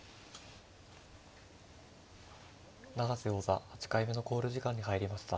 永瀬王座８回目の考慮時間に入りました。